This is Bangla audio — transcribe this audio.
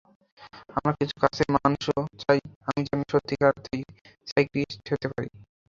আমার কিছু কাছের মানুষও চায় আমি যেন সত্যিকারার্থেই সাইকিয়াট্রিস্ট হতে পারি।